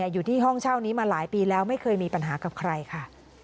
อยู่ที่ห้องเช่านี้มาหลายปีแล้วไม่เคยมีปัญหากับใครค่ะ